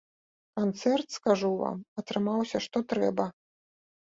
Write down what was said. Канцэрт, скажу вам, атрымаўся што трэба!